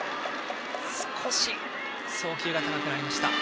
少し送球が高くなりました。